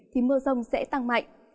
thì mưa rông sẽ tăng mạnh